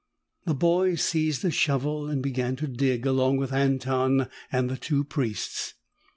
The boy seized a shovel and began to dig, along with Anton and the two priests.